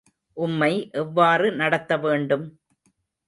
உம்மை எவ்வாறு நடத்த வேண்டும்?